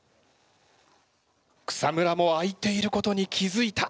草村も開いていることに気付いた。